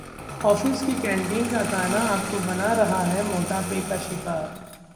office की canteen का खाना आपको बना रहा है मोटापे का शिकार